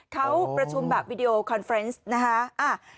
เขาประชุมแบบวิดีโอคอนเฟรนซ์นะคะ